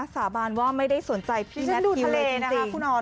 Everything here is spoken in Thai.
สาบานว่าไม่ได้สนใจพี่แมททิวจริงค่ะคุณอร